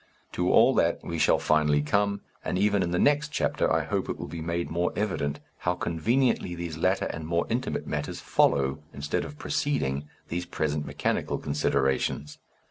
To all that we shall finally come, and even in the next chapter I hope it will be made more evident how conveniently these later and more intimate matters follow, instead of preceding, these present mechanical considerations.